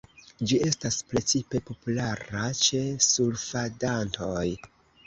Ĝi estas precipe populara ĉe surfadantoj.